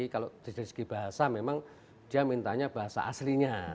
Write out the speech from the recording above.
kalau dari segi bahasa memang dia mintanya bahasa aslinya